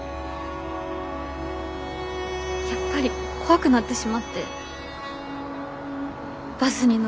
やっぱり怖くなってしまってバスに乗るのをやめて。